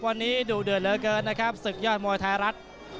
วันนี้ดุเดือดเหลือเกินนะครับศึกยอดมวยไทยรัฐ